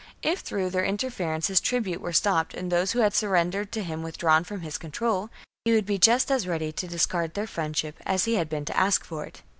If through their interference his tribute were stopped and those who had surrendered to him withdrawn from his control, he would be just as ready to discard their friendship as he had been to ask for it.